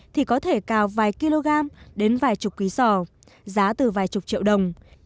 thì có thể cào vài kg đến vài chục quý xò giá từ vài chục triệu đồng